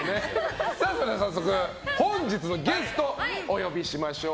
早速本日のゲストお呼びしましょう。